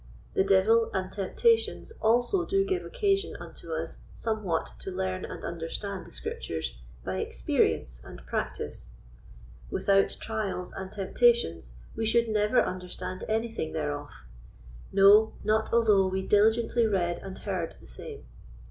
The devil and temptations also do give occasion unto us somewhat to learn and understand the Scriptures by experience and practice. Without trials and temptations we should never understand anything thereof; no, not although we diligently read and heard the same.